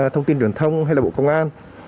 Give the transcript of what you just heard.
thông tin truyền thông hay là bộ công an